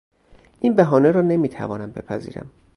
این بهانه را نمیتوانم بپذیرم.